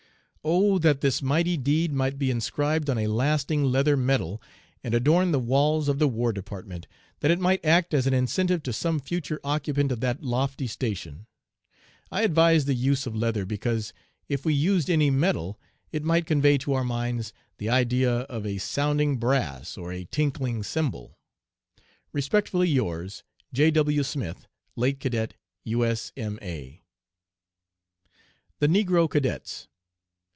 "Oh, that this mighty deed might be inscribed on a lasting leather medal and adorn the walls of the War Department, that it might act as an incentive to some future occupant of that lofty station! I advise the use of leather, because if we used any metal it might convey to our minds the idea of 'a sounding brass or a tinkling cymbal.' "Respectfully yours, "J. W. SMITH, "Late Cadet U.S.M.A." THE NEGRO CADETS.